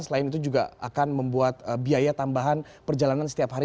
selain itu juga akan membuat biaya tambahan perjalanan setiap hari